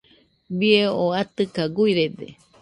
Bie oo atɨka guirede.